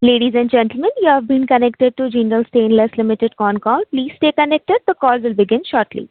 Ladies and gentlemen, you have been connected to Jindal Stainless Limited conference call. Please stay connected. The call will begin shortly.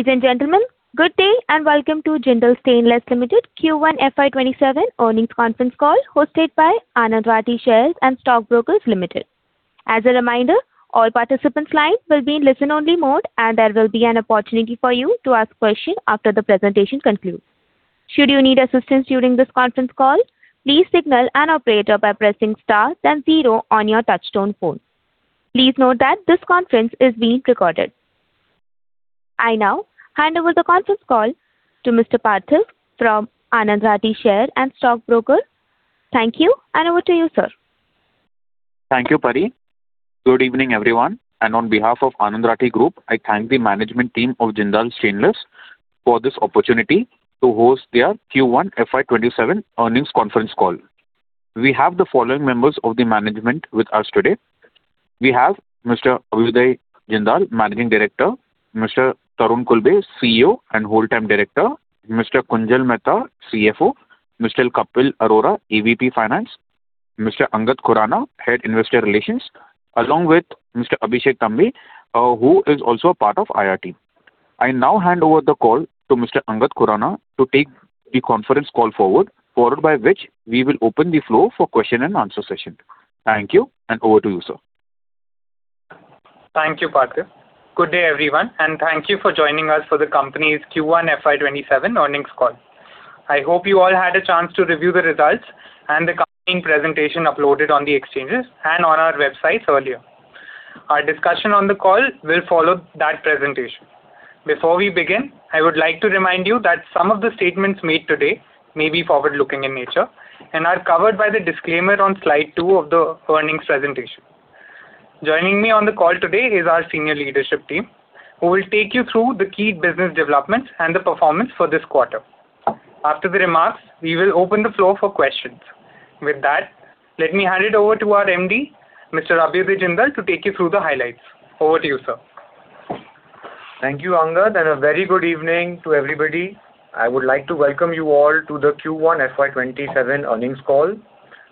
Ladies and gentlemen, good day and welcome to Jindal Stainless Limited Q1 fiscal year 2027 earnings conference call hosted by Anand Rathi Shares and Stock Brokers Limited. As a reminder, all participants' lines will be in listen only mode and there will be an opportunity for you to ask questions after the presentation concludes. Should you need assistance during this conference call, please signal an operator by pressing star then zero on your touchtone phone. Please note that this conference is being recorded. I now hand over the conference call to Mr. Parthiv from Anand Rathi Shares and Stock Brokers. Thank you and over to you, sir. Thank you, Parthiv. Good evening, everyone. On behalf of Anand Rathi Group, I thank the management team of Jindal Stainless for this opportunity to host their Q1 fiscal year 2027 earnings conference call. We have the following members of the management with us today. We have Mr. Abhyuday Jindal, Managing Director, Mr. Tarun Khulbe, Chief Executive Officer and Whole-Time Director, Mr. Kunjal Mehta, Chief Financial Officer, Mr. Kapil Arora, Associate Vice President, Finance, Mr. Angad Khurana, Head, Investor Relations, along with Mr. Abhishek Tambe, who is also a part of IR team. I now hand over the call to Mr. Angad Khurana to take the conference call forward, followed by which we will open the floor for question and answer session. Thank you and over to you, sir. Thank you, Parthiv. Good day, everyone. Thank you for joining us for the company's Q1 fiscal year 2027 earnings call. I hope you all had a chance to review the results and the accompanying presentation uploaded on the exchanges and on our website earlier. Our discussion on the call will follow that presentation. Before we begin, I would like to remind you that some of the statements made today may be forward-looking in nature and are covered by the disclaimer on slide two of the earnings presentation. Joining me on the call today is our senior leadership team, who will take you through the key business developments and the performance for this quarter. After the remarks, we will open the floor for questions. With that, let me hand it over to our MD, Mr. Abhyuday Jindal, to take you through the highlights. Over to you, sir. Thank you, Angad. A very good evening to everybody. I would like to welcome you all to the Q1 fiscal year 2027 earnings call.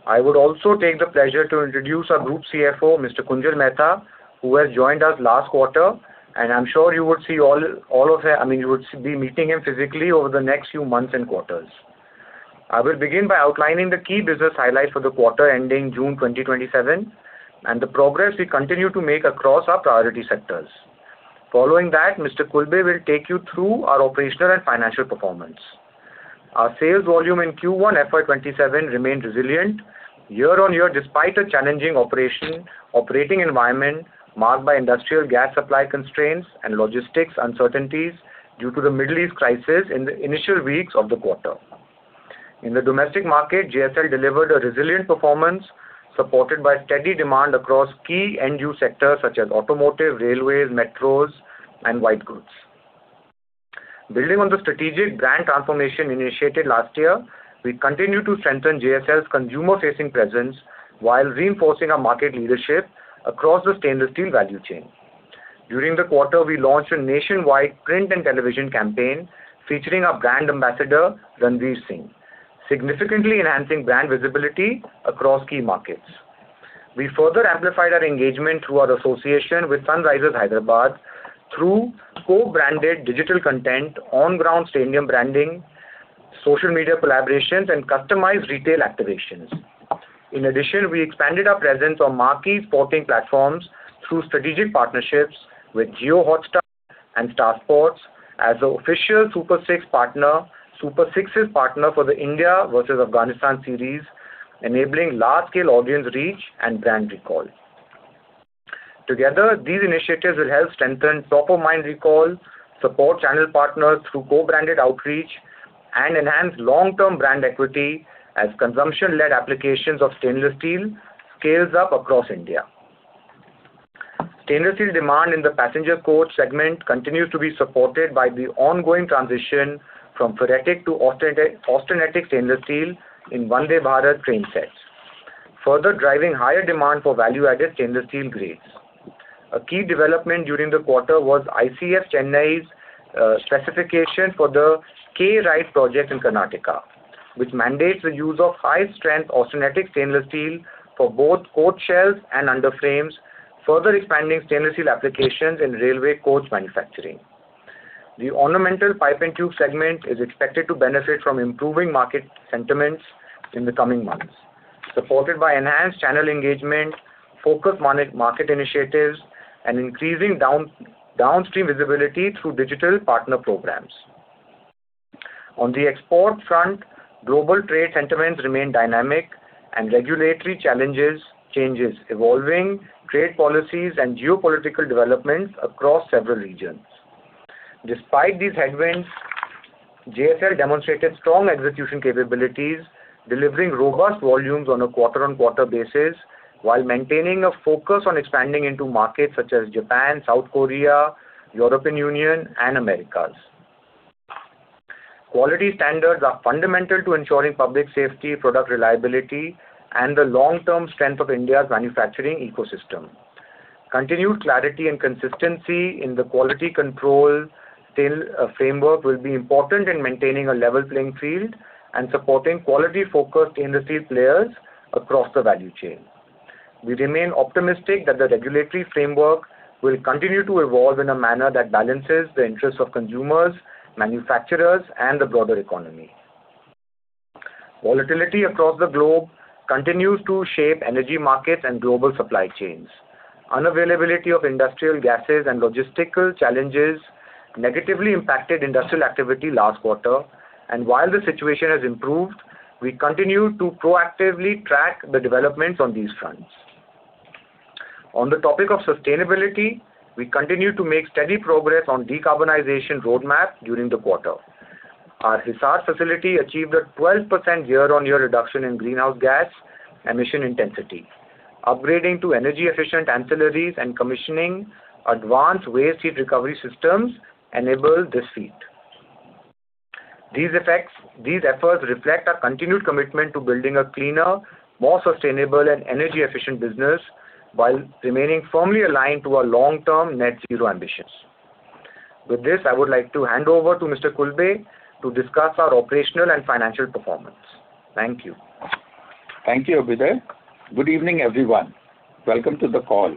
I would also take the pleasure to introduce our Group Chief Executive Officer, Mr. Kunjal Mehta, who has joined us last quarter. I'm sure you would be meeting him physically over the next few months and quarters. I will begin by outlining the key business highlights for the quarter ending June 2027 and the progress we continue to make across our priority sectors. Following that, Mr. Khulbe will take you through our operational and financial performance. Our sales volume in Q1 fiscal year 2027 remained resilient year-on-year, despite a challenging operating environment marked by industrial gas supply constraints and logistics uncertainties due to the Middle East crisis in the initial weeks of the quarter. In the domestic market, JSL delivered a resilient performance, supported by steady demand across key end-use sectors such as automotive, railways, metros and white goods. Building on the strategic brand transformation initiated last year, we continue to strengthen JSL's consumer-facing presence while reinforcing our market leadership across the stainless steel value chain. During the quarter, we launched a nationwide print and television campaign featuring our brand ambassador, Ranveer Singh, significantly enhancing brand visibility across key markets. We further amplified our engagement through our association with Sunrisers Hyderabad through co-branded digital content, on-ground stadium branding, social media collaborations and customized retail activations. In addition, we expanded our presence on marquee sporting platforms through strategic partnerships with JioHotstar and Star Sports as the official Super Sixes partner for the India versus Afghanistan series, enabling large-scale audience reach and brand recall. Together, these initiatives will help strengthen top-of-mind recall, support channel partners through co-branded outreach, and enhance long-term brand equity as consumption-led applications of stainless steel scales up across India. Stainless steel demand in the passenger coach segment continues to be supported by the ongoing transition from ferritic to austenitic stainless steel in Vande Bharat train sets, further driving higher demand for value-added stainless steel grades. A key development during the quarter was ICF Chennai's specification for the K-RIDE project in Karnataka, which mandates the use of high-strength austenitic stainless steel for both coach shells and underframes, further expanding stainless steel applications in railway coach manufacturing. The ornamental pipe and tube segment is expected to benefit from improving market sentiments in the coming months, supported by enhanced channel engagement, focused market initiatives, and increasing downstream visibility through digital partner programs. On the export front, global trade sentiments remain dynamic and regulatory changes evolving, trade policies and geopolitical developments across several regions. Despite these headwinds, JSL demonstrated strong execution capabilities, delivering robust volumes on a quarter-on-quarter basis, while maintaining a focus on expanding into markets such as Japan, South Korea, European Union and Americas. Quality standards are fundamental to ensuring public safety, product reliability, and the long-term strength of India's manufacturing ecosystem. Continued clarity and consistency in the quality control framework will be important in maintaining a level playing field and supporting quality-focused stainless steel players across the value chain. We remain optimistic that the regulatory framework will continue to evolve in a manner that balances the interests of consumers, manufacturers, and the broader economy. Volatility across the globe continues to shape energy markets and global supply chains. Unavailability of industrial gases and logistical challenges negatively impacted industrial activity last quarter. While the situation has improved, we continue to proactively track the developments on these fronts. On the topic of sustainability, we continue to make steady progress on decarbonization roadmap during the quarter. Our Hisar facility achieved a 12% year-on-year reduction in greenhouse gas emission intensity. Upgrading to energy-efficient ancillaries and commissioning advanced waste heat recovery systems enabled this feat. These efforts reflect our continued commitment to building a cleaner, more sustainable and energy-efficient business while remaining firmly aligned to our long-term net zero ambitions. With this, I would like to hand over to Mr. Khulbe to discuss our operational and financial performance. Thank you. Thank you, Abhyuday. Good evening, everyone. Welcome to the call.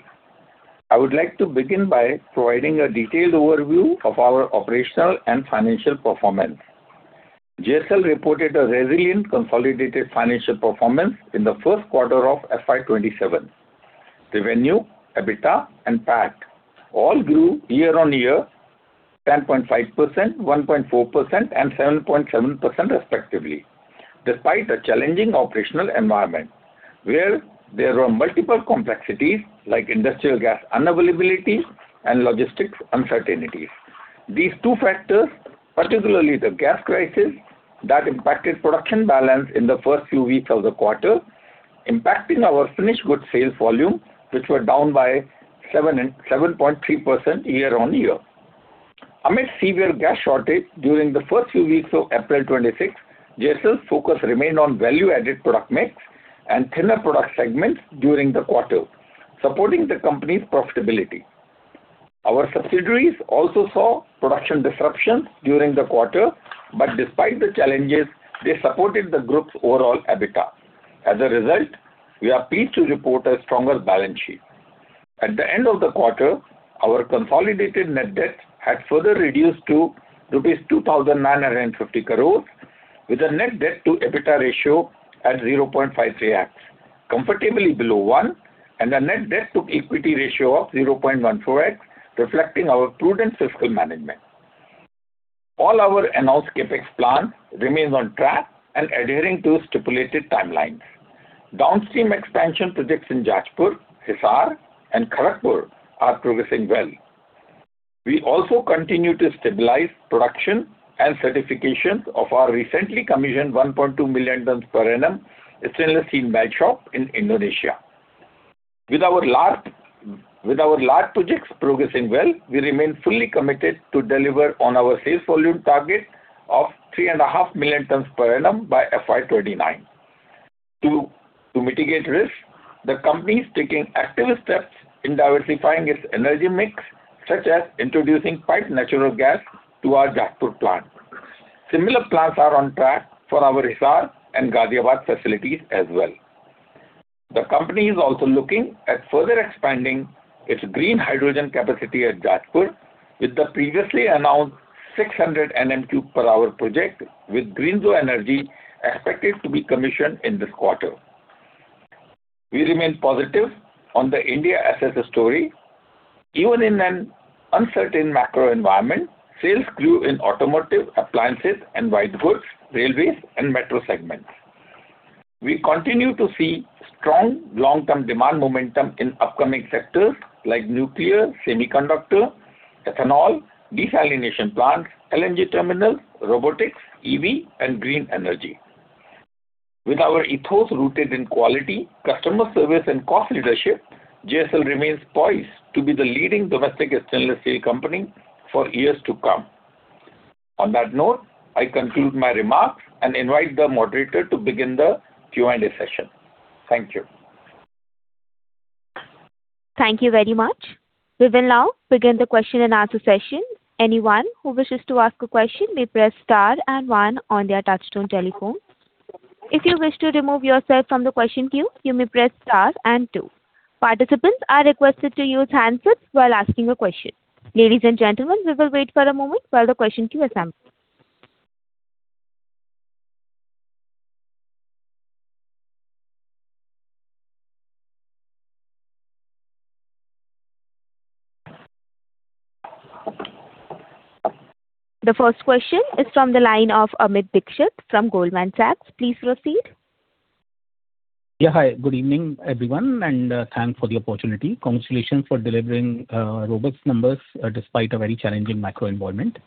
I would like to begin by providing a detailed overview of our operational and financial performance. JSL reported a resilient consolidated financial performance in the first quarter of fiscal year 2027. Revenue, EBITDA and PAT all grew year-on-year 10.5%, 1.4% and 7.7% respectively, despite a challenging operational environment where there were multiple complexities like industrial gas unavailability and logistics uncertainties. These two factors, particularly the gas crisis that impacted production balance in the first few weeks of the quarter, impacting our finished goods sales volume, which were down by 7.3% year-on-year. Amid severe gas shortage during the first few weeks of April 2026, JSL's focus remained on value-added product mix and thinner product segments during the quarter, supporting the company's profitability. Our subsidiaries also saw production disruptions during the quarter, but despite the challenges, they supported the group's overall EBITDA. As a result, we are pleased to report a stronger balance sheet. At the end of the quarter, our consolidated net debt had further reduced to rupees 2,950 crore, with a net debt to EBITDA ratio at 0.53x, comfortably below 1x, and a net debt to equity ratio of 0.14x, reflecting our prudent fiscal management. All our announced CapEx plan remains on track and adhering to stipulated timelines. Downstream expansion projects in Jajpur, Hisar and Kharagpur are progressing well. We also continue to stabilize production and certifications of our recently commissioned 1.2 million tons per annum stainless steel melt shop in Indonesia. With our large projects progressing well, we remain fully committed to deliver on our sales volume target of 3.5 million tons per annum by fiscal year 2029. To mitigate risk, the company is taking active steps in diversifiscal yearing its energy mix, such as introducing piped natural gas to our Jajpur plant. Similar plans are on track for our Hisar and Ghaziabad facilities as well. The company is also looking at further expanding its green hydrogen capacity at Jajpur with the previously announced 600 Nm³ per hour project with Greenzo Energy expected to be commissioned in this quarter. We remain positive on the India SS story. Even in an uncertain macro environment, sales grew in automotive, appliances and white goods, railways, and metro segments. We continue to see strong long-term demand momentum in upcoming sectors like nuclear, semiconductor, ethanol, desalination plants, LNG terminals, robotics, EV, and green energy. With our ethos rooted in quality, customer service and cost leadership, JSL remains poised to be the leading domestic stainless steel company for years to come. On that note, I conclude my remarks and invite the moderator to begin the question-and-answer session. Thank you. Thank you very much. We will now begin the question-and-answer session. Anyone who wishes to ask a question may press star and one on their touchtone telephone. If you wish to remove yourself from the question queue, you may press star and two. Participants are requested to use handsets while asking a question. Ladies and gentlemen, we will wait for a moment while the question queue assembles. The first question is from the line of Amit Dixit from Goldman Sachs. Please proceed. Yeah. Hi, good evening, everyone, and thanks for the opportunity. Congratulations for delivering robust numbers despite a very challenging macro environment.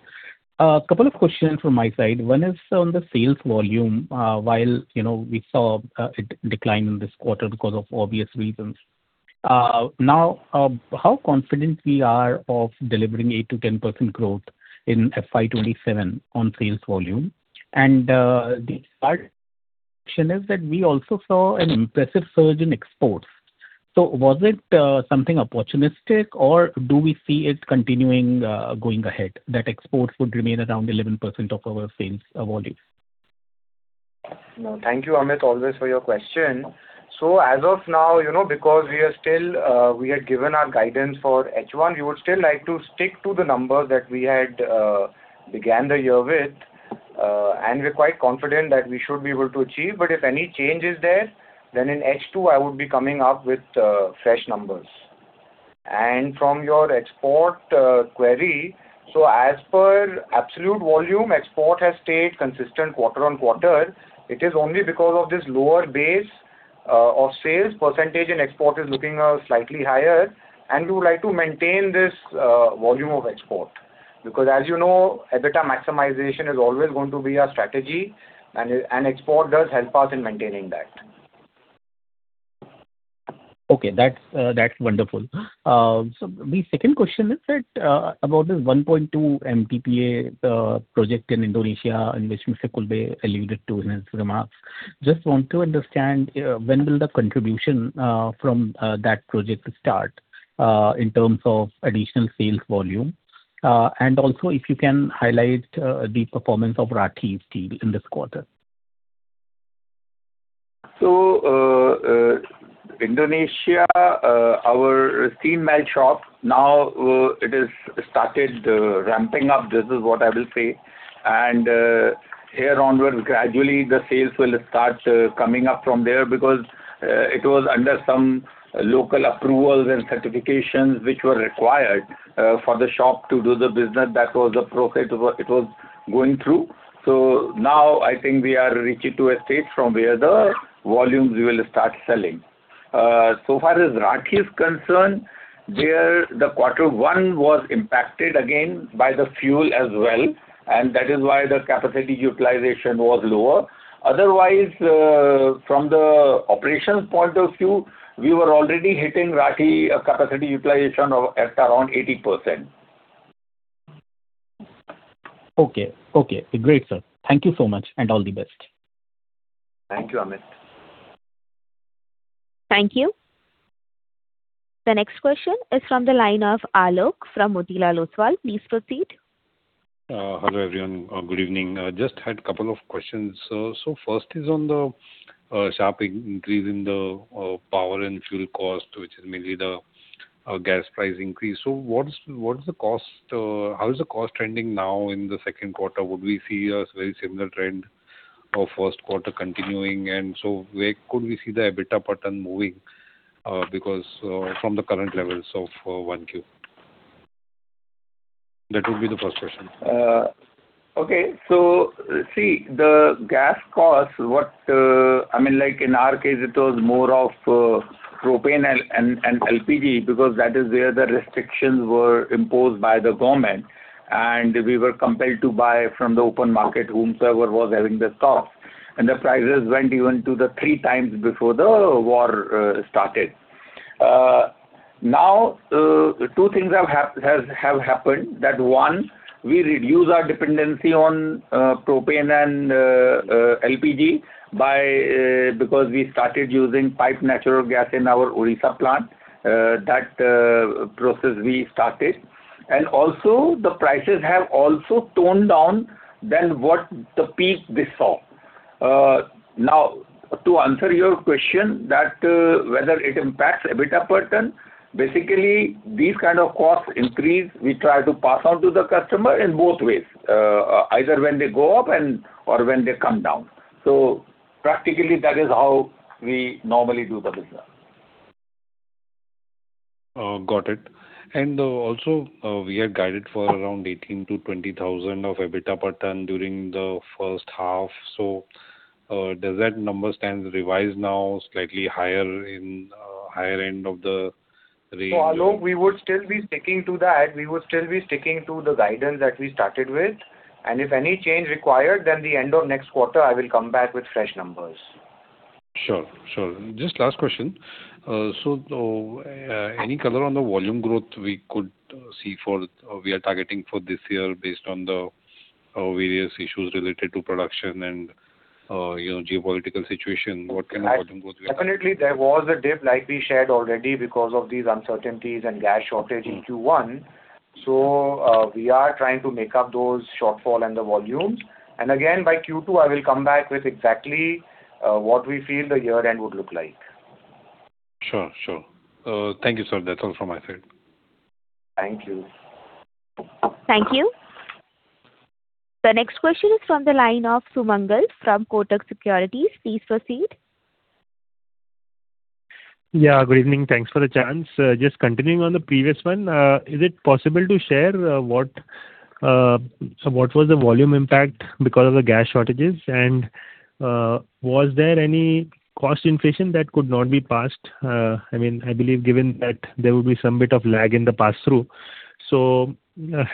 A couple of questions from my side. One is on the sales volume. While we saw it decline in this quarter because of obvious reasons. How confident we are of delivering 8%-10% growth in fiscal year 2027 on sales volume? The other question is that we also saw an impressive surge in exports. Was it something opportunistic or do we see it continuing going ahead, that exports would remain around 11% of our sales volume? No. Thank you, Amit. Always for your question. As of now, because we had given our guidance for H1, we would still like to stick to the number that we had began the year with, we're quite confident that we should be able to achieve. If any change is there, in H2, I would be coming up with fresh numbers. From your export query, as per absolute volume, export has stayed consistent quarter-on-quarter. It is only because of this lower base of sales percentage export is looking slightly higher. We would like to maintain this volume of export, because as you know, EBITDA maximization is always going to be our strategy, and export does help us in maintaining that. Okay. That's wonderful. My second question is that about this 1.2 MTPA project in Indonesia, in which Mr. Khulbe alluded to in his remarks. Just want to understand, when will the contribution from that project start, in terms of additional sales volume? Also if you can highlight the performance of Rathi Steel in this quarter. Indonesia, our steel melt shop, now it has started ramping up, this is what I will say. Hereafter onwards, gradually the sales will start coming up from there because it was under some local approvals and certifications which were required for the shop to do the business that was appropriate. It was going through. Now I think we are reaching to a stage from where the volumes we will start selling. Far as Rathi is concerned, there the quarter one was impacted again by the fuel as well, and that is why the capacity utilization was lower. Otherwise, from the operations point of view, we were already hitting Rathi capacity utilization at around 80%. Okay. Great, sir. Thank you so much, and all the best. Thank you, Amit. Thank you. The next question is from the line of Alok Deora, from Motilal Oswal. Please proceed. Hello, everyone. Good evening. Just had couple of questions. First is on the sharp increase in the power and fuel cost, which is mainly the gas price increase. How is the cost trending now in the second quarter? Would we see a very similar trend of first quarter continuing? Where could we see the EBITDA pattern moving from the current levels of one Q? That would be the first question. Okay. See, the gas cost, in our case, it was more of propane and LPG because that is where the restrictions were imposed by the government, and we were compelled to buy from the open market, whomever was having the stock. The prices went even to the 3x before the war started. Two things have happened. One, we reduce our dependency on propane and LPG, because we started using pipe natural gas in our Orissa plant. That process we started. The prices have also toned down than what the peak we saw. To answer your question that whether it impacts EBITDA per ton, basically, these kind of cost increase, we try to pass on to the customer in both ways, either when they go up or when they come down. Practically, that is how we normally do the business. Got it. We had guided for around 18,000-20,000 of EBITDA per ton during the first half. Does that number stand revised now slightly higher in higher end of the range or? Alok, we would still be sticking to that. We would still be sticking to the guidance that we started with. If any change required, the end of next quarter, I will come back with fresh numbers. Sure. Just last question. Any color on the volume growth we could see we are targeting for this year based on the various issues related to production and geopolitical situation, what kind of volume growth we are seeing? Definitely, there was a dip like we shared already because of these uncertainties and gas shortage in Q1. We are trying to make up those shortfall and the volumes. Again, by Q2, I will come back with exactly what we feel the year-end would look like. Sure. Thank you, sir. That's all from my side. Thank you. Thank you. The next question is from the line of Sumangal from Kotak Securities. Please proceed. Good evening. Thanks for the chance. Just continuing on the previous one, is it possible to share what was the volume impact because of the gas shortages? Was there any cost inflation that could not be passed? I believe given that there will be some bit of lag in the passthrough.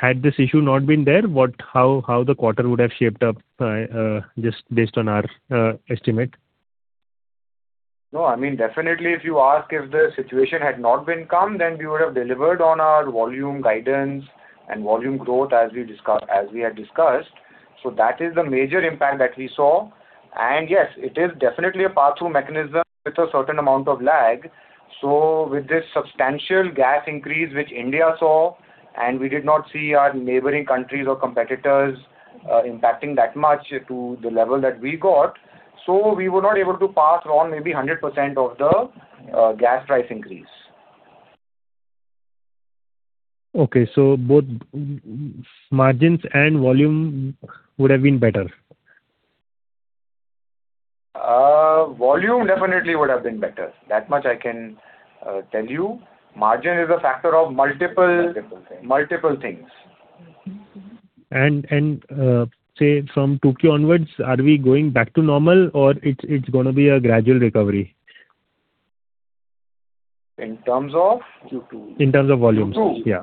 Had this issue not been there, how the quarter would have shaped up just based on our estimate? Definitely if you ask if the situation had not been calm, then we would have delivered on our volume guidance and volume growth as we had discussed. That is the major impact that we saw. Yes, it is definitely a passthrough mechanism with a certain amount of lag. With this substantial gas increase which India saw, and we did not see our neighboring countries or competitors impacting that much to the level that we got, we were not able to pass on maybe 100% of the gas price increase. Okay. Both margins and volume would have been better. Volume definitely would have been better. That much I can tell you. Margin is a factor of multiple- Multiple things. Multiple things. Say from 2Q onwards, are we going back to normal or it's going to be a gradual recovery? In terms of? In terms of volumes. Yeah.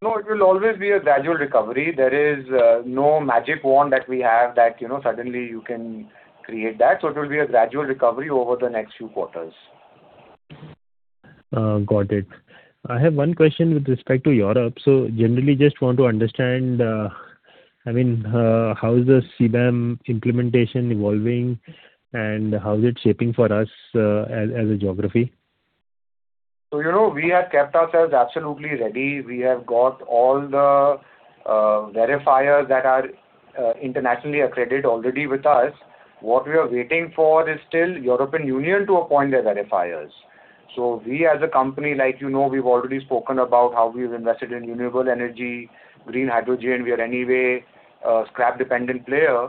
No, it will always be a gradual recovery. There is no magic wand that we have that suddenly you can create that. It will be a gradual recovery over the next few quarters. Got it. I have one question with respect to Europe. Generally just want to understand, how is the CBAM implementation evolving and how is it shaping for us as a geography? We have kept ourselves absolutely ready. We have got all the verifiers that are internationally accredited already with us. What we are waiting for is still European Union to appoint their verifiers. We as a company, like you know, we've already spoken about how we've invested in renewable energy, green hydrogen. We are anyway a scrap-dependent player.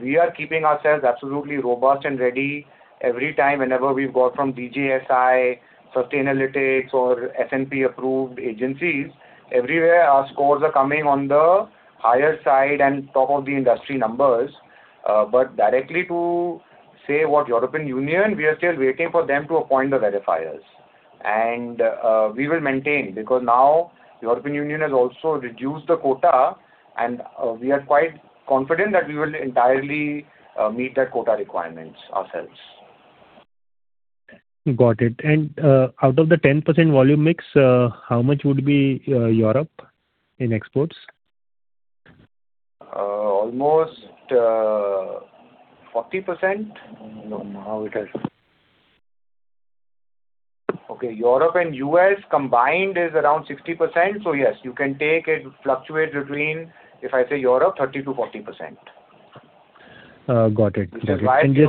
We are keeping ourselves absolutely robust and ready every time whenever we've got from DJSI, Sustainalytics or S&P-approved agencies. Everywhere our scores are coming on the higher side and top of the industry numbers. Directly to say what European Union, we are still waiting for them to appoint the verifiers. We will maintain, because now European Union has also reduced the quota and we are quite confident that we will entirely meet that quota requirements ourselves. Got it. Out of the 10% volume mix, how much would be Europe in exports? Almost 40%. I don't know how it is. Okay, Europe and U.S. combined is around 60%. Yes, you can take it fluctuate between, if I say Europe, 30%-40%. Got it. Which is why we've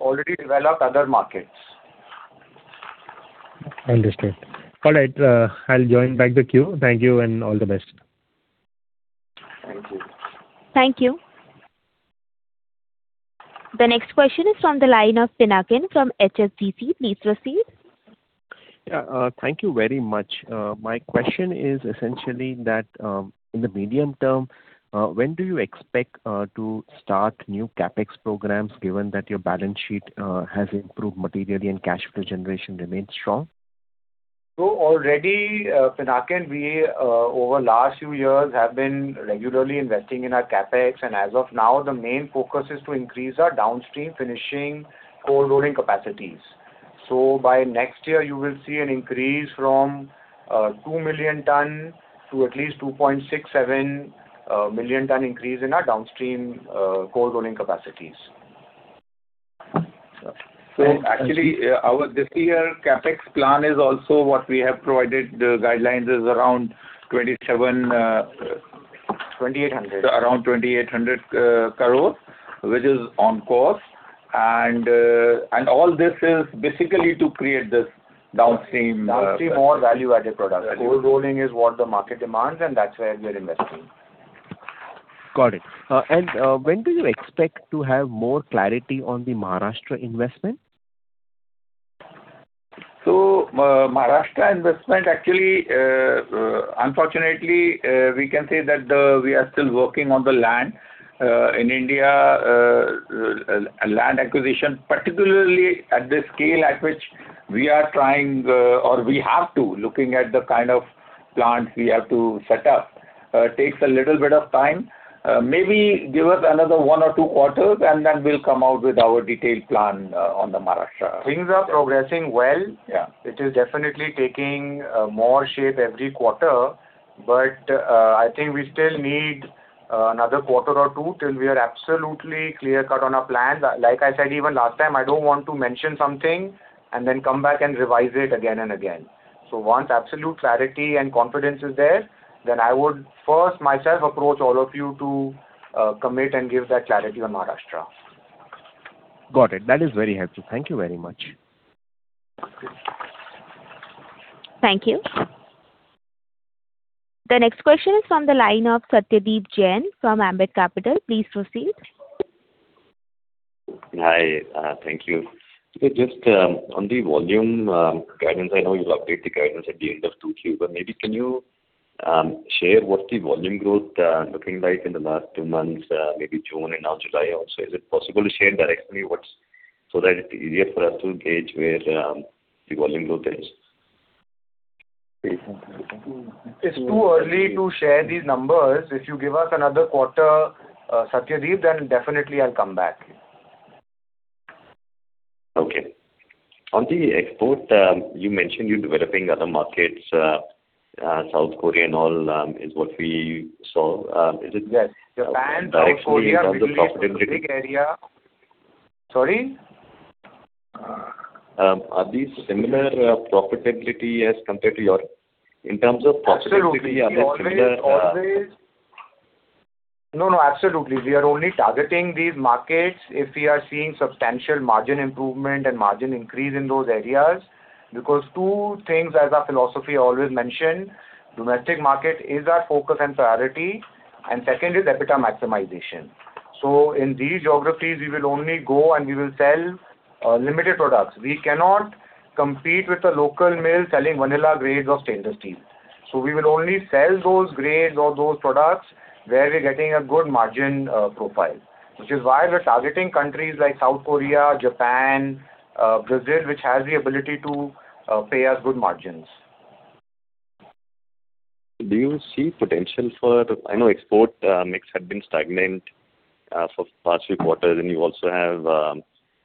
already developed other markets. Understood. All right. I'll join back the queue. Thank you and all the best. Thank you. Thank you. The next question is from the line of Pinakin from HSBC. Please proceed. Yeah. Thank you very much. My question is essentially that, in the medium term, when do you expect to start new CapEx programs, given that your balance sheet has improved materially and cash flow generation remains strong? Already, Pinakin, we over last few years have been regularly investing in our CapEx, and as of now, the main focus is to increase our downstream finishing cold rolling capacities. By next year, you will see an increase from 2 million ton to at least 2.67 million ton increase in our downstream cold rolling capacities. Sri- Actually, our this year CapEx plan is also what we have provided. The guidelines is around 27- INR 2,800 crore. Around 2,800 crore, which is on course. All this is basically to create this downstream- Downstream, more value-added products. Cold rolling is what the market demands, and that's where we are investing. Got it. When do you expect to have more clarity on the Maharashtra investment? Maharashtra investment actually, unfortunately, we can say that we are still working on the land. In India, land acquisition, particularly at the scale at which we are trying or we have to, looking at the kind of plants we have to set up, takes a little bit of time. Maybe give us another one or two quarters, and then we'll come out with our detailed plan on the Maharashtra. Things are progressing well. It is definitely taking more shape every quarter. I think we still need another quarter or two till we are absolutely clear-cut on our plan. Like I said even last time, I don't want to mention something and then come back and revise it again and again. Once absolute clarity and confidence is there, then I would first myself approach all of you to commit and give that clarity on Maharashtra. Got it. That is very helpful. Thank you very much. Thank you. The next question is from the line of Satyadeep Jain from Ambit Capital. Please proceed. Hi. Thank you. Just on the volume guidance, I know you update the guidance at the end of 2Q, maybe can you share what the volume growth looking like in the last two months, maybe June and now July also? Is it possible to share directly so that it's easier for us to gauge where the volume growth is? It's too early to share these numbers. If you give us another quarter, Satyadeep, then definitely I'll come back. Okay. On the export, you mentioned you're developing other markets. South Korea and all is what we saw. Is it? Yes. Japan, South Korea, Brazil is a big area. Directly in terms of profitability. Sorry? In terms of profitability, are they similar? No, absolutely. We are only targeting these markets if we are seeing substantial margin improvement and margin increase in those areas. Two things, as our philosophy always mention, domestic market is our focus and priority, and second is EBITDA maximization. In these geographies, we will only go and we will sell limited products. We cannot compete with the local mill selling vanilla grades of stainless steel. We will only sell those grades or those products where we're getting a good margin profile. Which is why we're targeting countries like South Korea, Japan, Brazil, which has the ability to pay us good margins. Do you see potential for I know export mix had been stagnant for past few quarters. You also have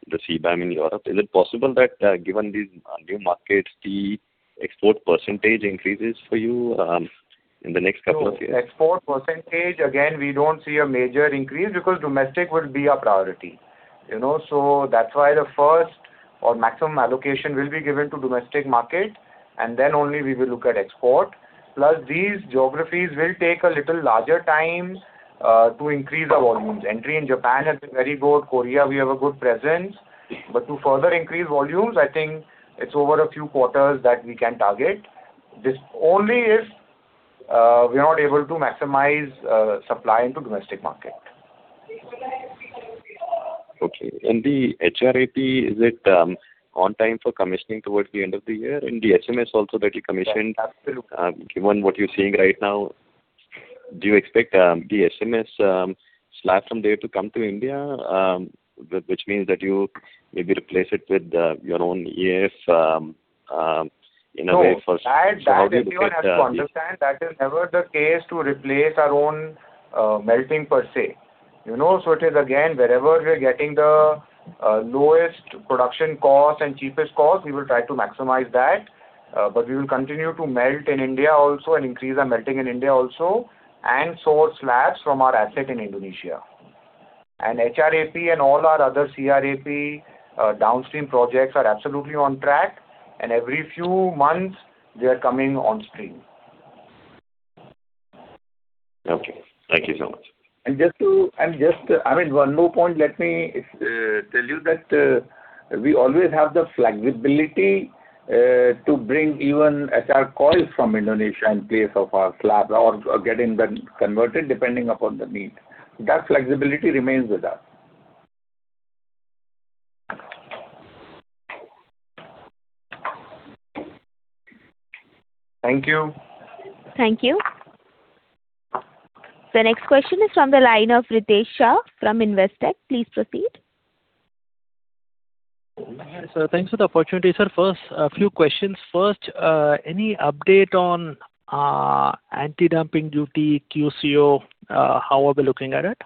the CBAM in Europe. Is it possible that, given these new markets, the export percentage increases for you in the next couple of years? Export percentage, again, we don't see a major increase because domestic will be our priority. That's why the first or maximum allocation will be given to domestic market, and then only we will look at export. These geographies will take a little larger time to increase the volumes. Entry in Japan has been very good. Korea, we have a good presence. To further increase volumes, I think it's over a few quarters that we can target. This only if we are not able to maximize supply into domestic market. Okay. The HRAP, is it on time for commissioning towards the end of the year? The SMS also that you commissioned. Given what you're seeing right now, do you expect the SMS slab from there to come to India? Which means that you maybe replace it with your own EAF in a way for how do you look at the- That everyone has to understand, that is never the case to replace our own melting per se. It is again, wherever we're getting the lowest production cost and cheapest cost, we will try to maximize that. We will continue to melt in India also and increase our melting in India also, and source slabs from our asset in Indonesia. HRAP and all our other CRAP downstream projects are absolutely on track, and every few months they are coming on stream. Okay. Thank you so much. I mean, one more point, let me tell you that we always have the flexibility to bring even Hot-Rolled Coil from Indonesia in place of our slab or getting them converted depending upon the need. That flexibility remains with us. Thank you. Thank you. The next question is from the line of Ritesh Shah from Investec. Please proceed. Yes. Thanks for the opportunity, sir. First, a few questions. First, any update on anti-dumping duty, QCO? How are we looking at it?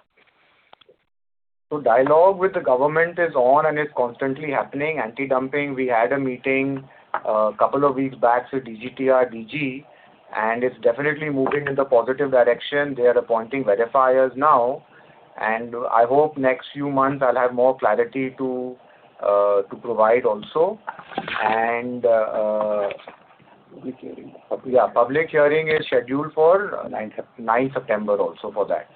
Dialogue with the government is on, and it's constantly happening. Anti-dumping, we had a meeting a couple of weeks back with DGTR, DG, and it's definitely moving in the positive direction. They are appointing verifiers now, and I hope next few months I'll have more clarity to provide also. Public hearing is scheduled for- 9th September 9th September also for that.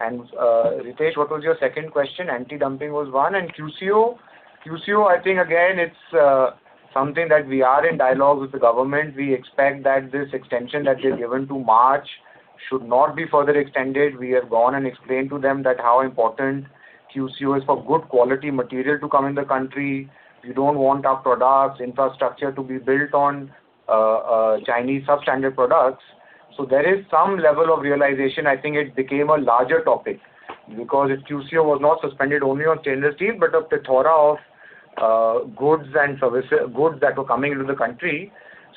Ritesh, what was your second question? Anti-dumping was one, and QCO? QCO, I think, again, it's something that we are in dialogue with the government. We expect that this extension that they've given till March should not be further extended. We have gone and explained to them that how important QCO is for good quality material to come in the country. We do not want our products, infrastructure to be built on Chinese substandard products. There is some level of realization. I think it became a larger topic because QCO was not suspended only on stainless steel, but a plethora of goods that were coming into the country.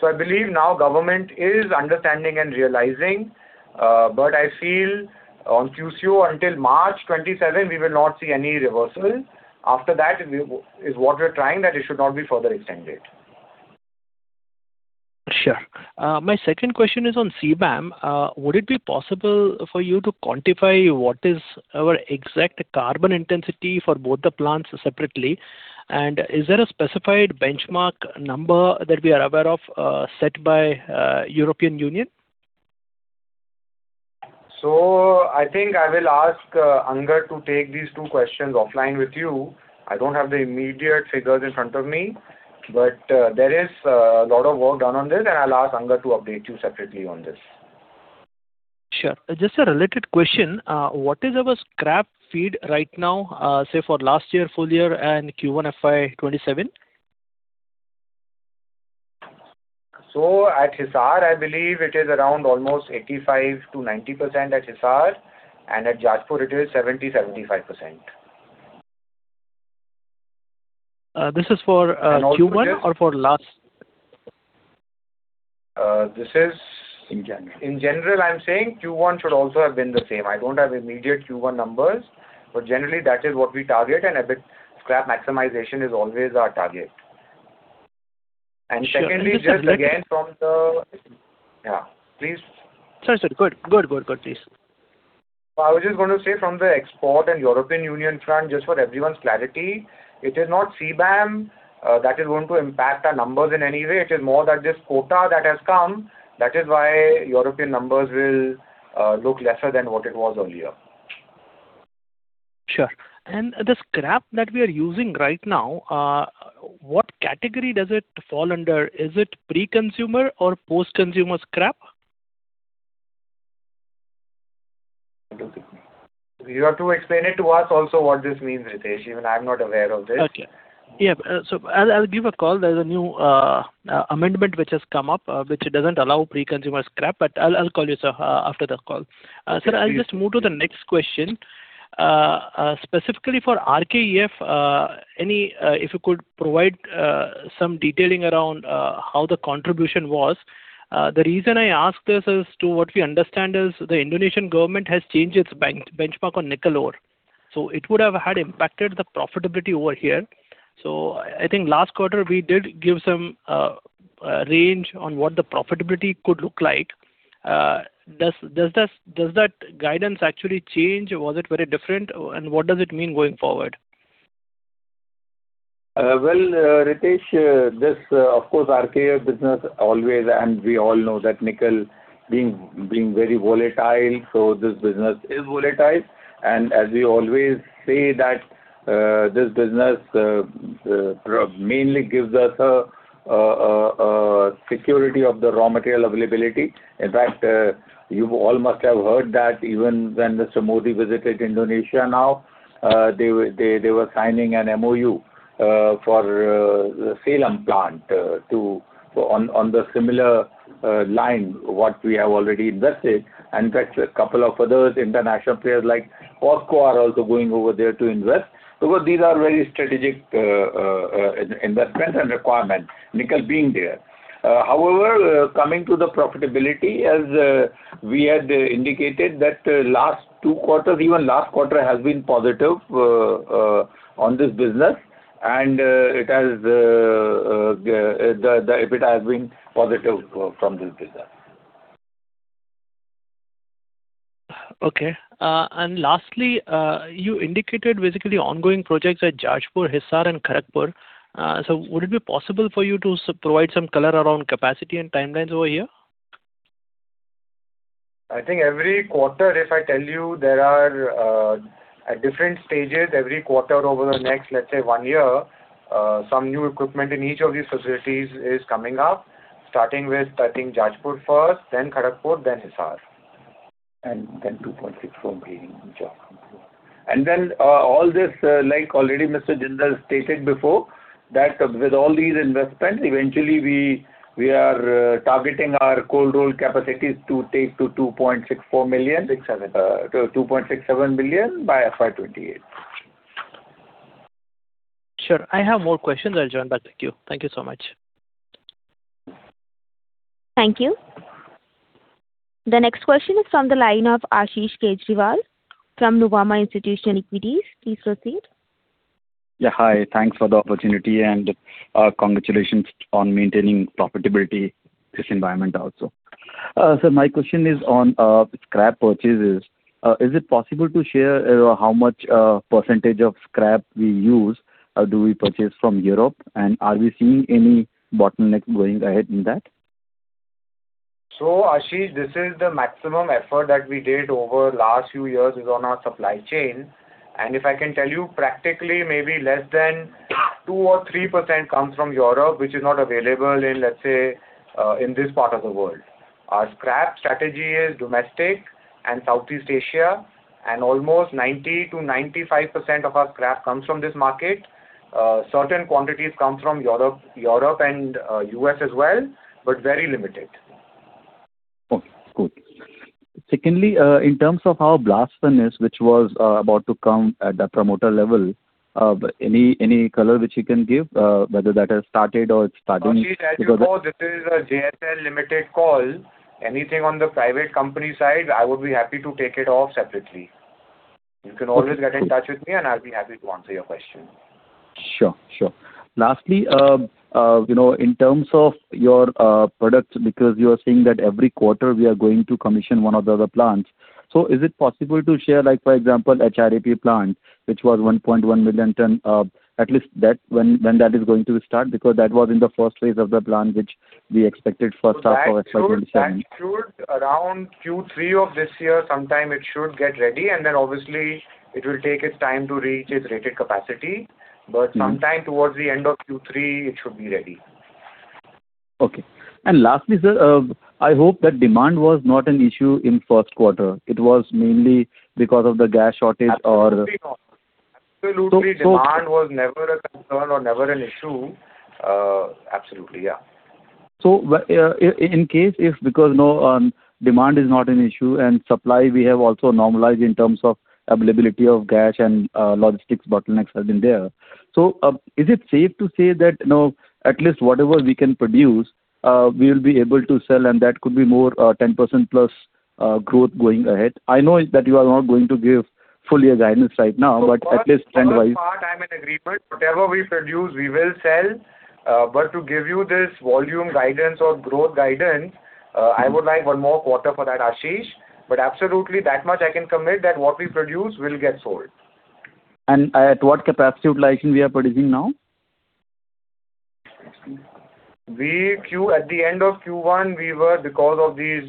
I believe now government is understanding and realizing. I feel on QCO, until March 27, we will not see any reversal. After that, is what we're trying, that it should not be further extended. Sure. My second question is on CBAM. Would it be possible for you to quantifiscal year what is our exact carbon intensity for both the plants separately, and is there a specified benchmark number that we are aware of set by European Union? I think I will ask Angad to take these two questions offline with you. I don't have the immediate figures in front of me, but there is a lot of work done on this, and I'll ask Angad to update you separately on this. Sure. Just a related question. What is our scrap feed right now, say, for last year, full year and Q1 fiscal year 2027? At Hisar, I believe it is around almost 85%-90% at Hisar, and at Jajpur it is 70%, 75%. This is for Q1 or for last- This is- In general. In general, I'm saying Q1 should also have been the same. I don't have immediate Q1 numbers, but generally that is what we target, and a bit scrap maximization is always our target. Secondly, just again from the Yeah, please. Sorry. Go on, please. I was just going to say from the export and European Union front, just for everyone's clarity, it is not CBAM that is going to impact our numbers in any way. It is more that this quota that has come, that is why European numbers will look lesser than what it was earlier. Sure. The scrap that we are using right now, what category does it fall under? Is it pre-consumer or post-consumer scrap? You have to explain it to us also what this means, Ritesh. Even I'm not aware of this. Okay. Yeah. I'll give a call. There's a new amendment which has come up, which doesn't allow pre-consumer scrap, I'll call you, sir, after the call. Sir, I'll just move to the next question. Specifically for RKEF, if you could provide some detailing around how the contribution was. The reason I ask this is to what we understand is the Indonesian government has changed its benchmark on nickel ore. It would have had impacted the profitability over here. I think last quarter we did give some range on what the profitability could look like. Does that guidance actually change, or was it very different, and what does it mean going forward? Well, Ritesh, of course, RKEF business always, we all know that nickel being very volatile, this business is volatile. As we always say that this business mainly gives us security of the raw material availability. In fact, you all must have heard that even when Mr. Modi visited Indonesia now, they were signing an MoU for the Salem plant on the similar line what we have already invested. In fact, a couple of other international players like ORCA are also going over there to invest. These are very strategic investments and requirements, nickel being there. However, coming to the profitability, as we had indicated that last two quarters, even last quarter has been positive on this business, and the EBITDA has been positive from this business. Lastly, you indicated basically ongoing projects at Jajpur, Hisar, and Kharagpur. Would it be possible for you to provide some color around capacity and timelines over here? I think every quarter, if I tell you, there are at different stages every quarter over the next, let's say, one year, some new equipment in each of these facilities is coming up, starting with, I think, Jajpur first, then Kharagpur, then Hisar. Then 2.64 million tons in Jharsuguda. Then all this, like already Mr. Jindal stated before, that with all these investments, eventually we are targeting our cold roll capacities to take to 2.64 million tons. 2.67 million tons. 2.67 million tons by fiscal year 2028. Sure. I have more questions. I'll join back. Thank you. Thank you so much. Thank you. The next question is from the line of Ashish Kejriwal from Nuvama Institutional Equities. Please proceed. Yeah. Hi. Thanks for the opportunity and congratulations on maintaining profitability this environment also. Sir, my question is on scrap purchases. Is it possible to share how much percentage of scrap we use, do we purchase from Europe, and are we seeing any bottleneck going ahead in that? Ashish, this is the maximum effort that we did over last few years is on our supply chain. If I can tell you, practically maybe less than 2% or 3% comes from Europe, which is not available in, let's say, in this part of the world. Our scrap strategy is domestic and Southeast Asia, and almost 90%-95% of our scrap comes from this market. Certain quantities come from Europe and U.S. as well, but very limited. Okay, cool. Secondly, in terms of how blast furnace, which was about to come at the promoter level, any color which you can give, whether that has started or it's starting. Ashish, as you know, this is a JSL Limited call. Anything on the private company side, I would be happy to take it off separately. You can always get in touch with me, and I'll be happy to answer your question. Sure. Lastly, in terms of your products, because you are saying that every quarter we are going to commission one of the other plants. Is it possible to share, like for example, HRAP plant, which was 1.1 million ton, at least when that is going to start? Because that was in the first phase of the plan which we expected first half of fiscal year 2027. That should around Q3 of this year, sometime it should get ready. Then obviously it will take its time to reach its rated capacity. Sometime towards the end of Q3, it should be ready. Okay. Lastly, sir, I hope that demand was not an issue in first quarter. It was mainly because of the gas shortage. Absolutely not. Absolutely. Demand was never a concern or never an issue. Absolutely, yeah. In case if, because demand is not an issue and supply we have also normalized in terms of availability of gas and logistics bottlenecks have been there. Is it safe to say that now at least whatever we can produce, we will be able to sell and that could be more 10%+ growth going ahead? I know that you are not going to give fully a guidance right now, but at least trend-wise. For the most part, I'm in agreement. Whatever we produce, we will sell. To give you this volume guidance or growth guidance, I would like one more quarter for that, Ashish. Absolutely that much I can commit that what we produce will get sold. At what capacity utilization we are producing now? At the end of Q1, because of these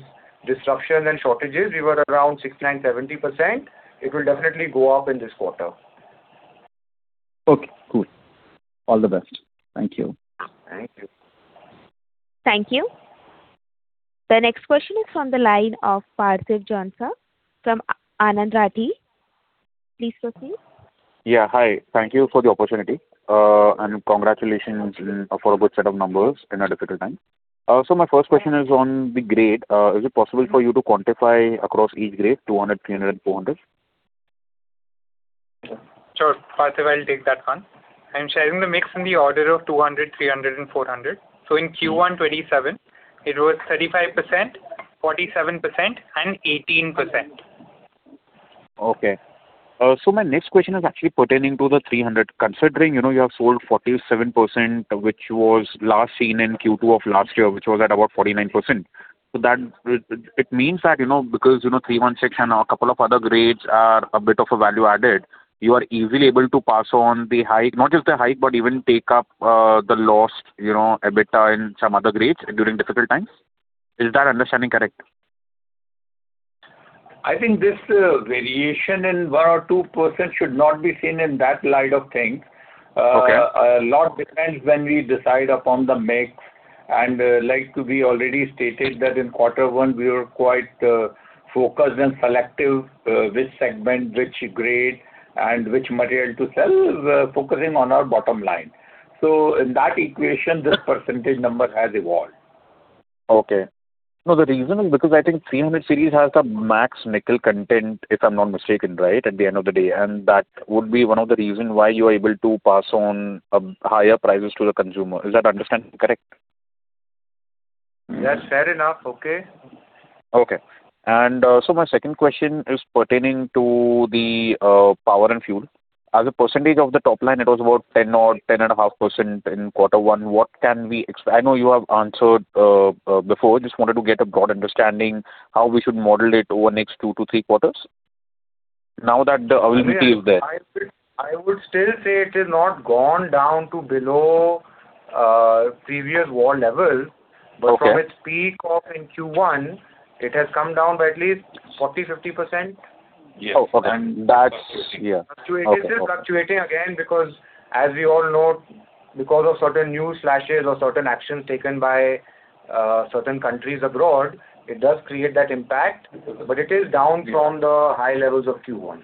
disruptions and shortages, we were around 69%, 70%. It will definitely go up in this quarter. Okay, cool. All the best. Thank you. Thank you. Thank you. The next question is from the line of Parthiv Jhonsa, sir, from Anand Rathi. Please proceed. Yeah, hi. Thank you for the opportunity. Congratulations for a good set of numbers in a difficult time. My first question is on the grade. Is it possible for you to quantify across each grade, 200 series, 300 series and 400 series? Sure, Parthiv, I'll take that one. I'm sharing the mix in the order of 200 series, 300 series and 400 series. In Q1 2027, it was 35%, 47% and 18%. Okay. My next question is actually pertaining to the 300. Considering you have sold 47%, which was last seen in Q2 of last year, which was at about 49%. It means that because 316 series and a couple of other grades are a bit of a value added, you are easily able to pass on the hike. Not just the hike, but even take up the lost EBITDA in some other grades during difficult times. Is that understanding correct? I think this variation in 1% or 2% should not be seen in that light of things. Okay. A lot depends when we decide upon the mix. Like we already stated that in quarter one we were quite focused and selective, which segment, which grade and which material to sell, focusing on our bottom line. In that equation, this percentage number has evolved. Okay. No, the reason is because I think 300 series has the max nickel content, if I'm not mistaken, right, at the end of the day. That would be one of the reason why you are able to pass on higher prices to the consumer. Is that understanding correct? That's fair enough. Okay. Okay. My second question is pertaining to the power and fuel. As a percentage of the top line, it was about 10% or 10.5% in quarter one. I know you have answered before, just wanted to get a broad understanding how we should model it over next two to three quarters. Now that the availability is there I would still say it has not gone down to below previous war level. Okay. From its peak of in Q1, it has come down by at least 40%-50%. Yes. It is fluctuating again, because as we all know, because of certain news flashes or certain actions taken by certain countries abroad, it does create that impact. It is down from the high levels of Q1.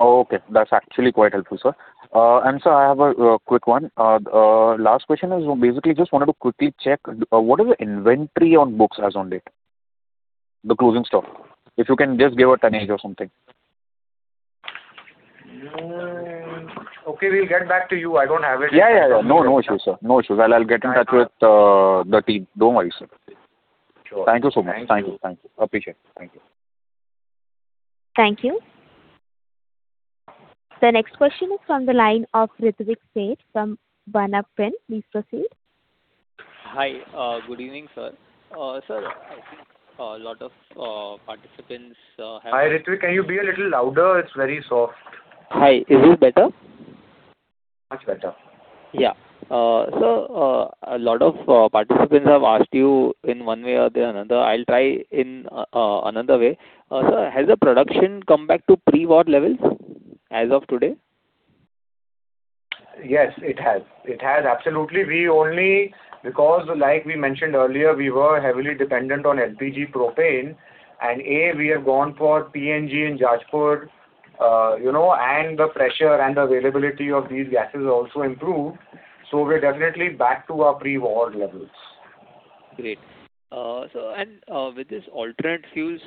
Okay. That's actually quite helpful, sir. Sir, I have a quick one. Last question is basically just wanted to quickly check, what is the inventory on books as on date? The closing stock. If you can just give a tonnage or something. Okay, we'll get back to you. I don't have it. Yeah. No issues, sir. I'll get in touch with the team. Don't worry, sir. Sure. Thank you so much. Thank you. Appreciate it. Thank you. Thank you. The next question is from the line of Ritvik Seth from Vana Financial Consulting. Please proceed. Hi. Good evening, sir. Sir, I think a lot of participants have- Hi, Ritvik. Can you be a little louder? It's very soft. Hi, is this better? Much better. Yeah. Sir, a lot of participants have asked you in one way or another. I will try in another way. Sir, has the production come back to pre-war levels as of today? Yes, it has. It has absolutely. Because like we mentioned earlier, we were heavily dependent on LPG propane, and we have gone for PNG in Jajpur, and the pressure and availability of these gases has also improved. We are definitely back to our pre-war levels. Great. Sir, with this alternate fuels,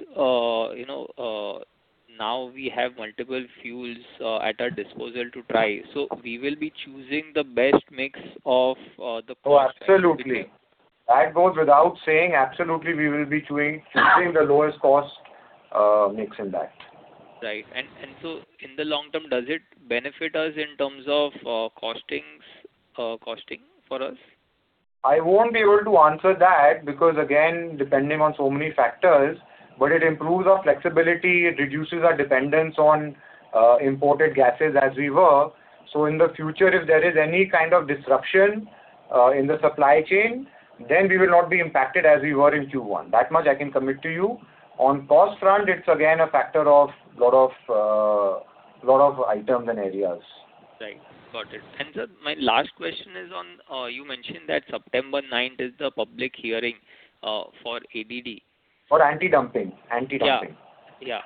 now we have multiple fuels at our disposal to try. We will be choosing the best mix of. Oh, absolutely. That goes without saying. Absolutely, we will be choosing the lowest cost mix in that. Right. In the long term, does it benefit us in terms of costing for us? I won't be able to answer that because, again, depending on so many factors, but it improves our flexibility, it reduces our dependence on imported gases as we were. In the future, if there is any kind of disruption in the supply chain, then we will not be impacted as we were in Q1. That much I can commit to you. On cost front, it's again a factor of lot of items and areas. Right. Got it. Sir, my last question is on, you mentioned that September 9th is the public hearing for ADD. For anti-dumping. Yeah.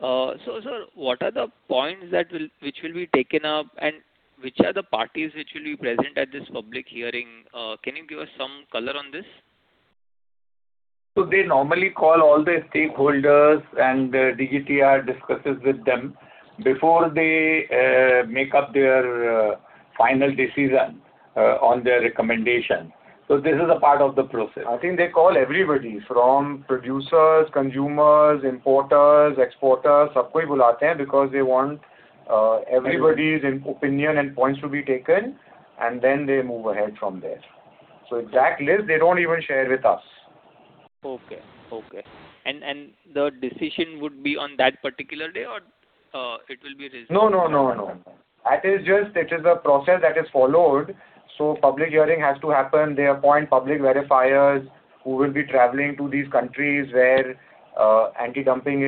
Sir, what are the points which will be taken up, and which are the parties which will be present at this public hearing? Can you give us some color on this? They normally call all the stakeholders, and the DGTR discusses with them before they make up their final decision on their recommendation. This is a part of the process. I think they call everybody, from producers, consumers, importers, exporters, because they want everybody's opinion and points to be taken, and then they move ahead from there. Exact list, they don't even share with us. Okay. The decision would be on that particular day, or it will be reserved? No. That is just, it is a process that is followed. Public hearing has to happen. They appoint public verifiers who will be traveling to these countries where anti-dumping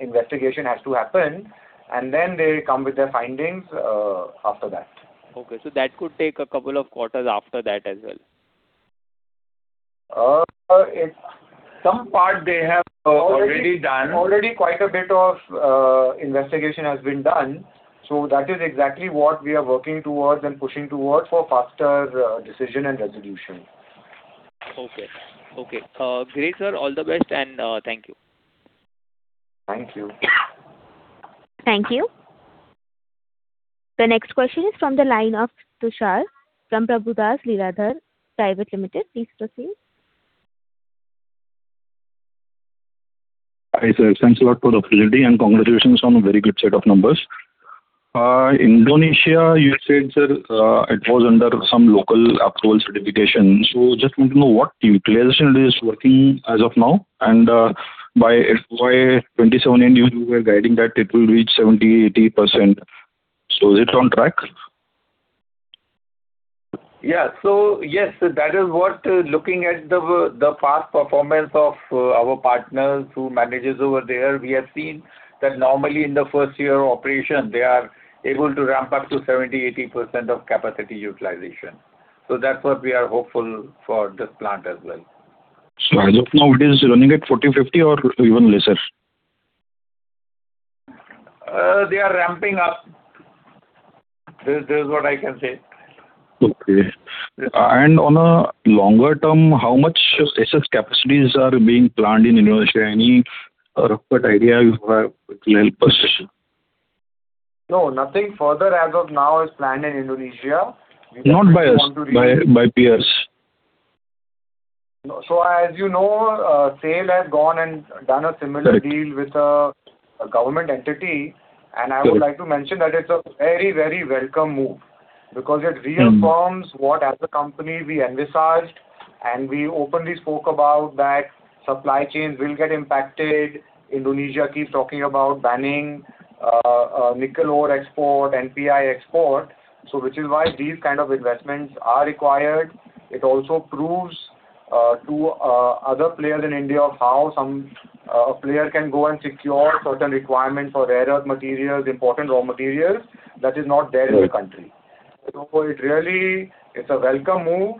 investigation has to happen, then they come with their findings after that. Okay. That could take a couple of quarters after that as well. Some part they have already done. Already quite a bit of investigation has been done. That is exactly what we are working towards and pushing towards for faster decision and resolution. Okay. Great, sir. All the best, and thank you. Thank you. Thank you. The next question is from the line of Tushar from Prabhudas Lilladher Private Limited. Please proceed. Hi, sir. Thanks a lot for the opportunity. Congratulations on a very good set of numbers. Indonesia, you said, sir, it was under some local approval certification. Just want to know what utilization it is working as of now. By fiscal year 2027 end, you were guiding that it will reach 70%-80%. Is it on track? Yes. That is what, looking at the past performance of our partners who manages over there, we have seen that normally in the first year of operation, they are able to ramp up to 70%-80% of capacity utilization. That's what we are hopeful for this plant as well. As of now, it is running at 40%-50% or even lesser? They are ramping up. This is what I can say. Okay. On a longer term, how much SS capacities are being planned in Indonesia? Any rough idea you have which will help us? No, nothing further as of now is planned in Indonesia. Not by us, by peers. As you know, SAIL has gone and done a similar deal with a government entity, and I would like to mention that it's a very welcome move. It reaffirms what as a company we envisaged. We openly spoke about that supply chains will get impacted. Indonesia keeps talking about banning nickel ore export, NPI export, which is why these kind of investments are required. It also proves to other players in India of how some player can go and secure certain requirements for rarest materials, important raw materials that is not there in the country. It really is a welcome move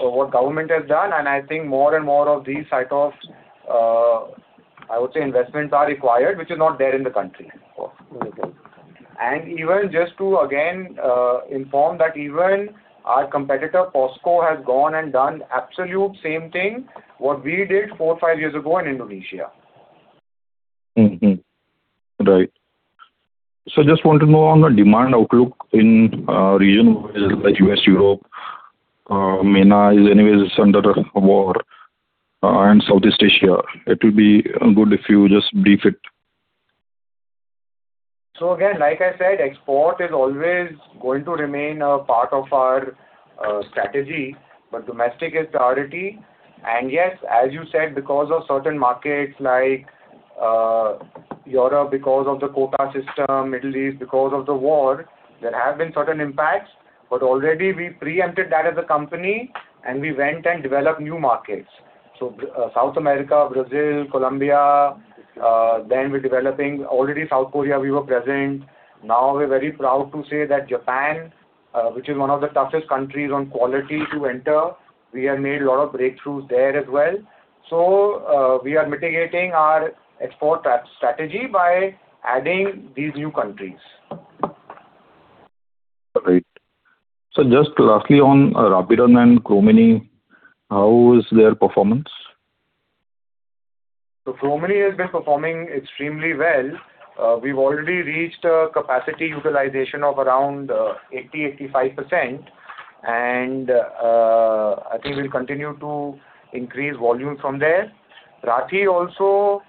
of what government has done. I think more and more of these types of investments are required, which are not there in the country. Even just to, again, inform that even our competitor, POSCO, has gone and done absolute same thing what we did four or five years ago in Indonesia. Mm-hmm. Right. Sir, just want to know on the demand outlook in region like West Europe, MENA is anyways under war, and Southeast Asia. It will be good if you just brief it. Again, like I said, export is always going to remain a part of our strategy, but domestic is priority. Yes, as you said, because of certain markets like Europe because of the quota system, Middle East because of the war, there have been certain impacts, but already we preempted that as a company, and we went and developed new markets. South America, Brazil, Colombia, then we're developing. Already South Korea we were present. Now we're very proud to say that Japan, which is one of the toughest countries on quality to enter, we have made a lot of breakthroughs there as well. We are mitigating our export strategy by adding these new countries. Right. Sir, just lastly on Rathi and Chromeni, how is their performance? Chromeni has been performing extremely well. We've already reached a capacity utilization of around 80%-85%, and I think we'll continue to increase volume from there. Rathi also,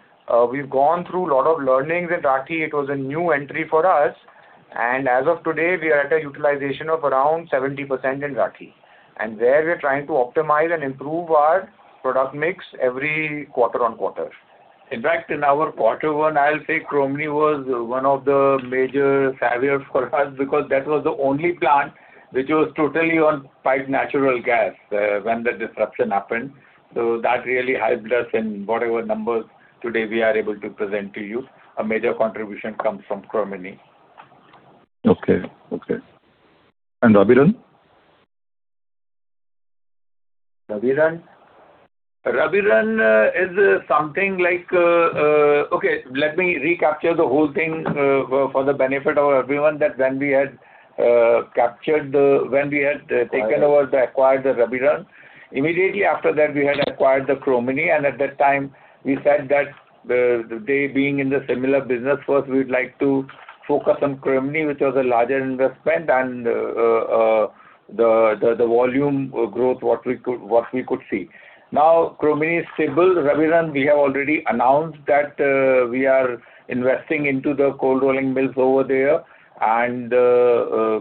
we've gone through a lot of learnings in Rathi. It was a new entry for us. As of today, we are at a utilization of around 70% in Rathi. There we're trying to optimize and improve our product mix every quarter-on-quarter. In our quarter one, I'll say Chromeni was one of the major saviors for us because that was the only plant which was totally on pipe natural gas when the disruption happened. That really helped us in whatever numbers today we are able to present to you. A major contribution comes from Chromeni. Okay. Rathi? Rathi is something like, let me recapture the whole thing for the benefit of everyone that when we had taken over the acquired Rathi, immediately after that we had acquired Chromeni, and at that time we said that they being in the similar business first, we would like to focus on Chromeni, which was a larger investment and the volume growth what we could see. Chromeni is stable. Rathi, we have already announced that we are investing into the cold rolling mills over there and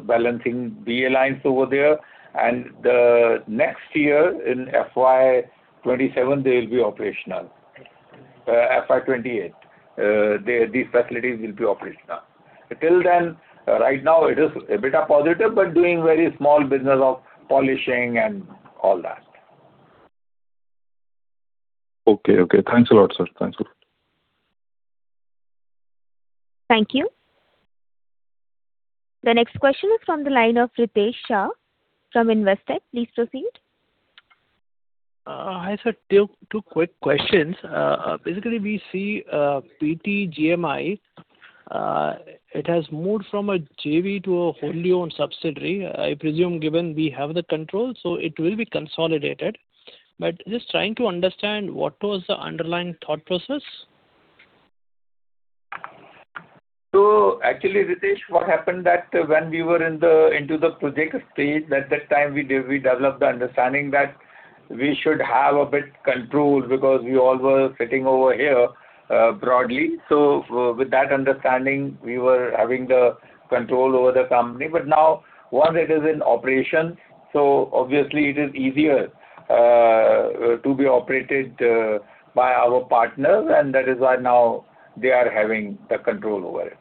balancing BA lines over there. The next year in fiscal year 2027, they'll be operational. fiscal year 2028, these facilities will be operational. Right now it is a bit of positive, but doing very small business of polishing and all that. Okay. Thanks a lot, sir. Thank you. The next question is from the line of Ritesh Shah from Investec. Please proceed. Hi, sir. Two quick questions. Basically, we see PT GMI, it has moved from a JV to a wholly owned subsidiary. I presume given we have the control, so it will be consolidated. Just trying to understand what was the underlying thought process. Actually, Ritesh, what happened that when we were into the project stage, at that time we developed the understanding that we should have a bit control because we all were sitting over here broadly. With that understanding, we were having the control over the company. Now, one, it is in operation, so obviously it is easier to be operated by our partners, and that is why now they are having the control over it.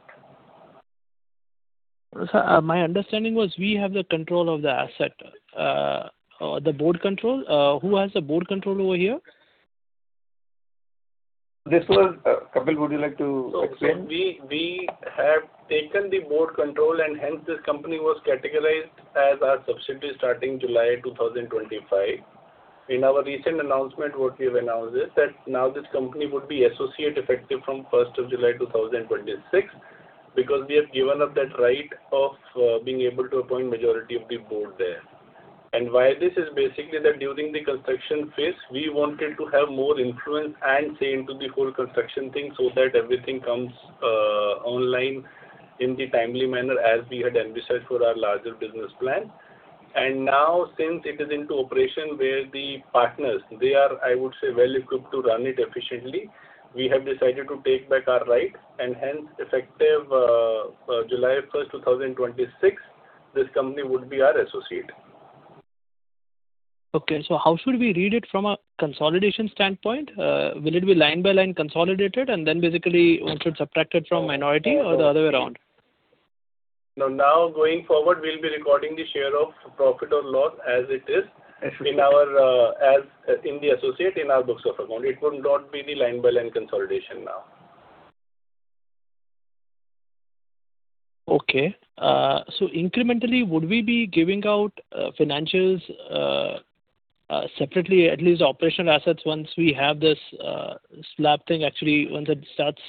Sir, my understanding was we have the control of the asset. The board control, who has the board control over here? This was Kapil, would you like to explain? We have taken the board control and hence this company was categorized as our subsidiary starting July 2025. In our recent announcement, what we have announced is that now this company would be associate effective from July 1st, 2026, because we have given up that right of being able to appoint majority of the board there. Why this is basically that during the construction phase, we wanted to have more influence and say into the whole construction thing so that everything comes online in the timely manner as we had envisaged for our larger business plan. Now, since it is into operation where the partners, they are, I would say, well-equipped to run it efficiently. We have decided to take back our right and hence effective July 1st, 2026, this company would be our associate. Okay. How should we read it from a consolidation standpoint? Will it be line by line consolidated and then basically once it's subtracted from minority or the other way around? No. Going forward, we'll be recording the share of profit or loss as it is in the associate in our books of account. It would not be the line by line consolidation now. Okay. Incrementally, would we be giving out financials separately, at least operational assets once we have this slab thing actually, once it starts,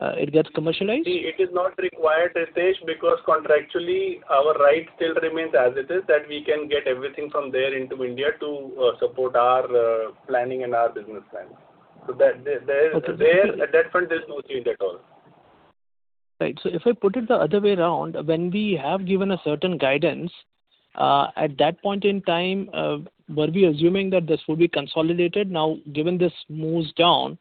it gets commercialized? It is not required, Ritesh, because contractually our right still remains as it is that we can get everything from there into India to support our planning and our business plan. There, at that front, there's no change at all. Right. If I put it the other way around, when we have given a certain guidance, at that point in time, were we assuming that this would be consolidated? Now, given this moves down,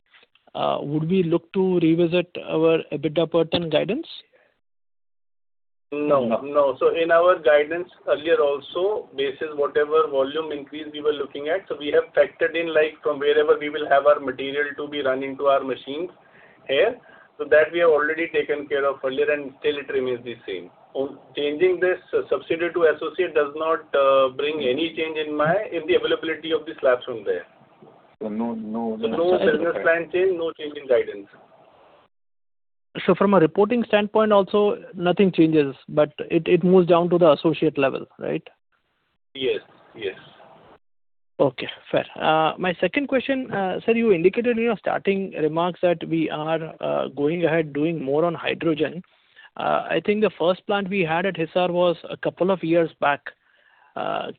would we look to revisit our EBITDA per ton guidance? No. In our guidance earlier also, basis whatever volume increase we were looking at. We have factored in, like from wherever we will have our material to be running to our machines here. That we have already taken care of earlier, and still it remains the same. Changing this subsidiary to associate does not bring any change in mind if the availability of the slabs from there. So no- No business plan change, no change in guidance. from a reporting standpoint also, nothing changes, but it moves down to the associate level, right? Yes. Okay, fair. My second question, sir, you indicated in your starting remarks that we are going ahead doing more on hydrogen. I think the first plant we had at Hisar was a couple of years back.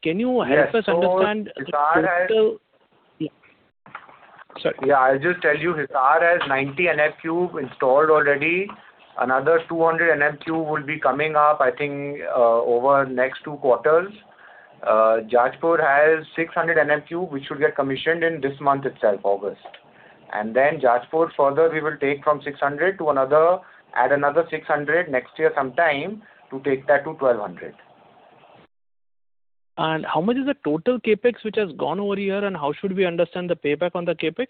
Can you help us understand the total- Yes. Hisar has- Sorry. Yeah, I'll just tell you, Hisar has 90 Nm³ installed already. Another 200 Nm³ will be coming up, I think, over the next two quarters. Jajpur has 600 Nm³, which should get commissioned in this month itself, August. Jajpur further, we will take from 600 Nm³, add another 600 next year sometime to take that to 1,200 Nm³. How much is the total CapEx which has gone over here, and how should we understand the payback on the CapEx?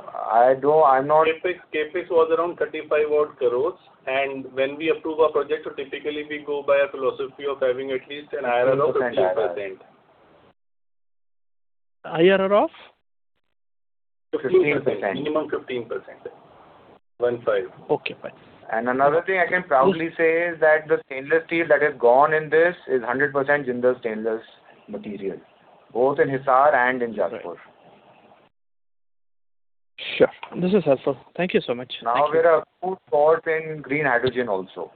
I'm not- CapEx was around 35 odd crore, and when we approve a project, so typically we go by a philosophy of having at least an IRR of 15%. IRR of? 15%. Minimum 15%. One five. Okay, fine. Another thing I can proudly say is that the stainless steel that has gone in this is 100% Jindal Stainless material, both in Hisar and in Jajpur. Sure. This is helpful. Thank you so much. Now we're a full force in green hydrogen also.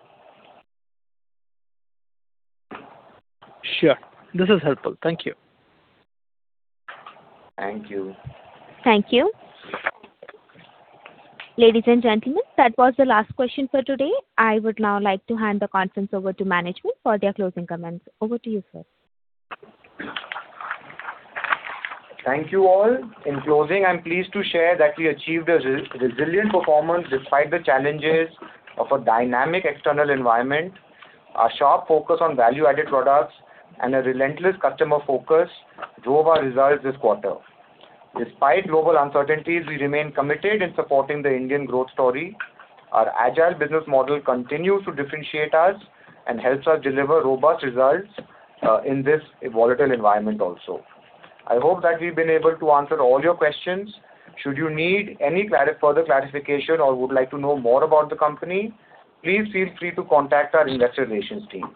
Sure. This is helpful. Thank you. Thank you. Thank you. Ladies and gentlemen, that was the last question for today. I would now like to hand the conference over to management for their closing comments. Over to you, sir. Thank you all. In closing, I'm pleased to share that we achieved a resilient performance despite the challenges of a dynamic external environment. Our sharp focus on value-added products and a relentless customer focus drove our results this quarter. Despite global uncertainties, we remain committed in supporting the Indian growth story. Our agile business model continues to differentiate us and helps us deliver robust results in this volatile environment also. I hope that we've been able to answer all your questions. Should you need any further clarification or would like to know more about the company, please feel free to contact our investor relations team.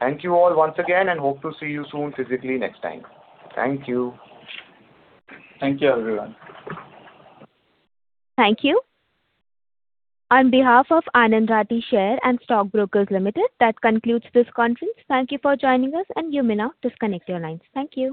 Thank you all once again, and hope to see you soon physically next time. Thank you. Thank you, everyone. Thank you. On behalf of Anand Rathi Shares and Stock Brokers Limited, that concludes this conference. Thank you for joining us, and you may now disconnect your lines. Thank you.